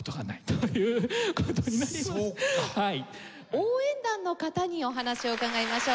応援団の方にお話を伺いましょう。